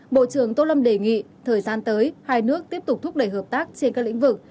bộ trưởng tô lâm đề nghị thời gian tới hai nước tiếp tục thúc đẩy hợp tác trên các lĩnh vực